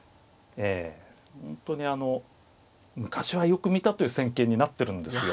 本当に昔はよく見たという戦型になってるんですよ。